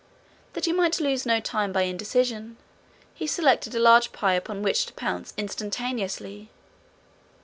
That he might lose no time by indecision, he selected a large pie upon which to pounce instantaneously.